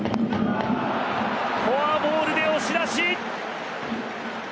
フォアボールで押し出し。